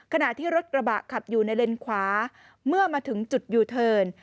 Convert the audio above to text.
ขณะที่รถกระบะขับอยู่ในเลนขวาเมื่อมาถึงจุดยูเทิร์น